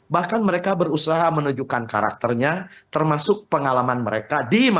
bahkan mereka berusaha menunjukkan karakternya termasuk pengalaman mereka di masa depan